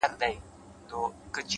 صبر د وخت ازموینه په بریا بدلوي؛